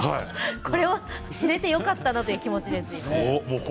これを知ることができてよかったという気持ちです。